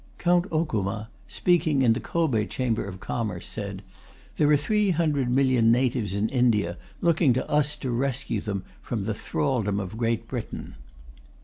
Count Okuma, speaking in the Kobe Chamber of Commerce, said: "There are three hundred million natives in India looking to us to rescue them from the thraldom of Great Britain."